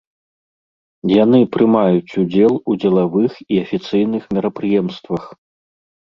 Яны прымаюць удзел у дзелавых і афіцыйных мерапрыемствах.